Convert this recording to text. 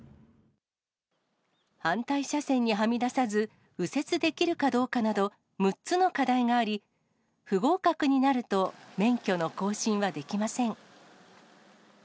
反対車線にはみ出さず、右折できるかどうかなど、６つの課題があり、不合格になると、免許の更新はできません。